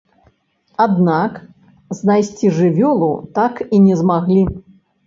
Аднак знайсці жывёлу так і не змаглі.